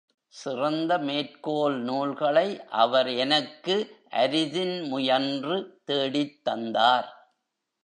சிறந்த மேற்கோள் நூல்களை அவர் எனக்கு அரிதின் முயன்று தேடித்தந்தார்.